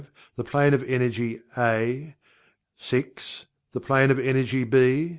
The Plane of Energy (A) 6. The Plane of Energy (B) 7.